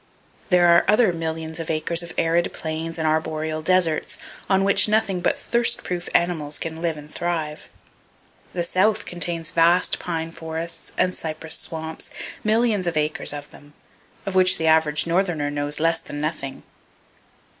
There are other millions of acres of arid plains and arboreal deserts, on which nothing but thirst proof animals can live and thrive. The South contains vast pine forests and cypress swamps, millions of acres of them, of which the average northerner knows less than nothing.